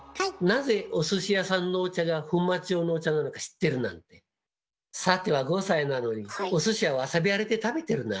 なぜお寿司屋さんのお茶が粉末状のお茶なのか知ってるなんてさては５歳なのにお寿司はわさびありで食べてるな？